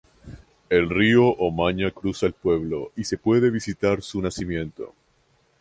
El río Omaña cruza el pueblo y se puede visitar su nacimiento.